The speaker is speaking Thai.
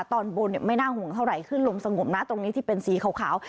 ตอนบนไม่น่าห่วงเท่าไหร่ขึ้นลมสงบนะตรงนี้ที่เป็นสีขาว